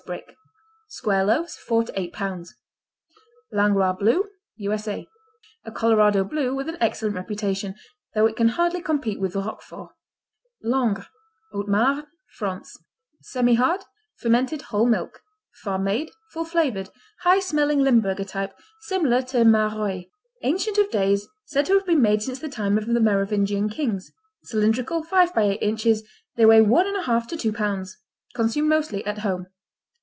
Brick. Square loaves, four to eight pounds. Langlois Blue U.S.A. A Colorado Blue with an excellent reputation, though it can hardly compete with Roquefort. Langres Haute Marne, France Semihard; fermented whole milk; farm made; full flavored, high smelling Limburger type, similar to Maroilles. Ancient of days, said to have been made since the time of the Merovingian kings. Cylindrical, five by eight inches, they weigh one and a half to two pounds. Consumed mostly at home.